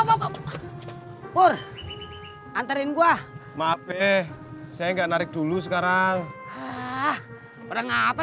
oh apa apa apa apa apa pur antarin gua mape saya enggak narik dulu sekarang ah orang apa